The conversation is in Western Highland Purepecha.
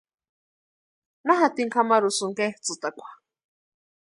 ¿Na jatini kʼamarhusïni ketsʼïtakwa?